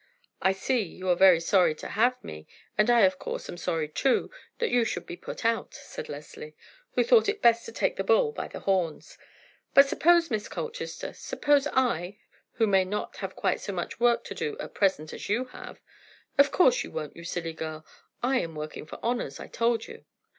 "I see you are very sorry to have me, and, of course, I am sorry, too, that you should be put out," said Leslie, who thought it best to take the bull by the horns. "But suppose, Miss Colchester—suppose I, who may not have quite so much work to do at present as you have——" "Of course you won't, you silly girl; I am working for honors, I told you."